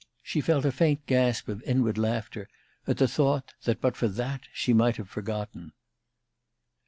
She felt a faint gasp of inward laughter at the thought that but for that she might have forgotten.